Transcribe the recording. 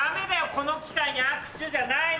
この機会に握手じゃないのよ。